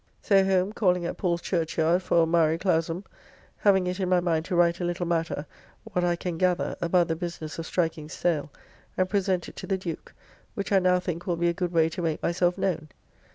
So home, calling at Paul's Churchyard for a "Mare Clausum," having it in my mind to write a little matter, what I can gather, about the business of striking sayle, and present it to the Duke, which I now think will be a good way to make myself known.